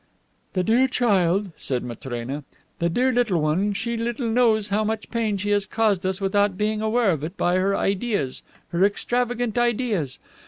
"The dear child," said Matrena; "the dear little one, she little knows how much pain she has caused us without being aware of it, by her ideas, her extravagant ideas.